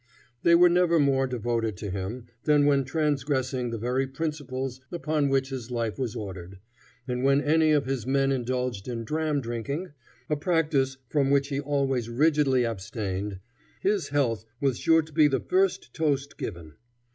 They were never more devoted to him than when transgressing the very principles upon which his life was ordered; and when any of his men indulged in dram drinking, a practice from which he always rigidly abstained, his health was sure to be the first toast given.